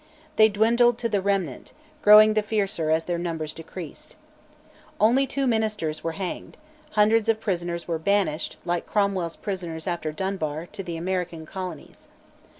They dwindled to the "Remnant," growing the fiercer as their numbers decreased. Only two ministers were hanged; hundreds of prisoners were banished, like Cromwell's prisoners after Dunbar, to the American colonies.